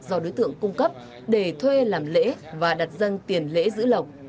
do đối tượng cung cấp để thuê làm lễ và đặt dân tiền lễ giữ lộc